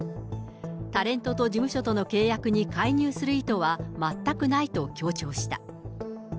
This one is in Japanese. タレントと事務所との契約に介入する意図は全くないと強調した。